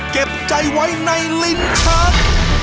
เก็บใจไว้ในลิ้นชัก